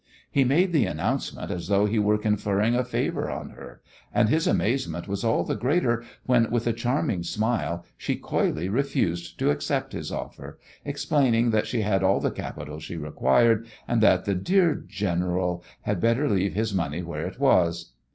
He made the announcement as though he were conferring a favour on her, and his amazement was all the greater when with a charming smile she coyly refused to accept his offer, explaining that she had all the capital she required, and that the "dear general" had better leave his money where it was.